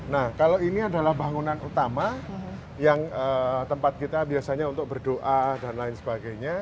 nah kalau ini adalah bangunan utama yang tempat kita biasanya untuk berdoa dan lain sebagainya